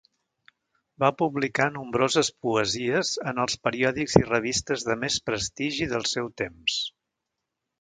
Va publicar nombroses poesies en els periòdics i revistes de més prestigi del seu temps.